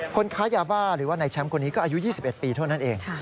ค้ายาบ้าหรือว่าในแชมป์คนนี้ก็อายุ๒๑ปีเท่านั้นเอง